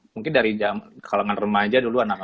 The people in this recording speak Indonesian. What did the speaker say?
mungkin dari kalangan remaja dulu